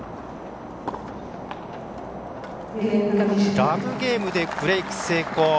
ラブゲームでブレーク成功。